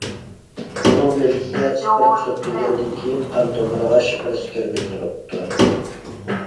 ئۇنىڭ بىلىكىگە ئىسپىرت سۈرتۈلگەندىن كېيىن، قان تومۇرىغا شپىرىس كىرگۈزۈلۈپتۇ.